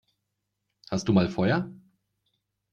Hast du mal Feuer?